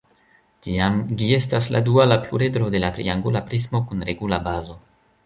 Tiam gi estas la duala pluredro de la triangula prismo kun regula bazo.